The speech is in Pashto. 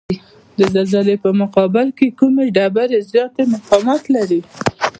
د زلزلې په مقابل کې کومې ډبرې زیات مقاومت لري؟